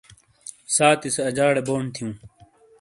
سانتی سے اجاڑے بونڈ تھِیوں ۔